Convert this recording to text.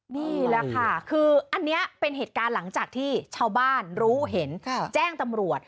นี่แหละค่ะคืออันนี้เป็นเหตุการณ์หลังจากที่ชาวบ้านรู้เห็นแจ้งตำรวจ